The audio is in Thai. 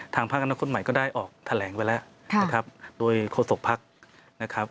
ทางพักรณคตใหม่ก็ได้ออกแถลงไปแล้วโดยโฆษกภักดิ์นะครับ